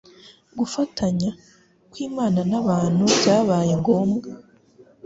Gufatanya, kw'Imana n'abantu byabaye ngombwa,